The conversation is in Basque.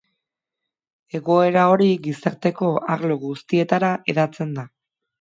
Egoera hori gizarteko arlo guztietara hedatzen da.